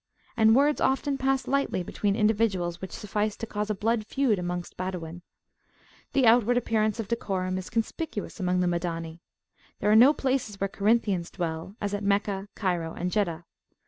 And words often pass lightly between individuals which suffice to cause a blood feud amongst Badawin. The outward appearance of decorum is conspicuous amongst the Madani. There are no places where Corinthians dwell, as at Meccah, Cairo, and Jeddah.